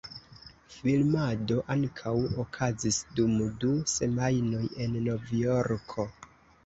Filmado ankaŭ okazis dum du semajnoj en Novjorko.